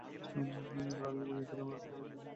রাজবাড়ীতে গিয়েছিলাম রাজকন্যাকে তুলে নিয়ে আসতে।